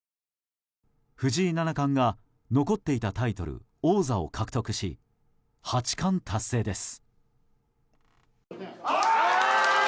藤井七冠が残っていたタイトル王座を獲得し八冠達成です。